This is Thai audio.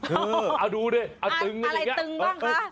เอาดูดิอะไรตึงบ้างคะ